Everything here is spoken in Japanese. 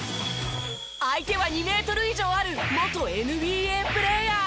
相手は２メートル以上ある元ＮＢＡプレーヤー。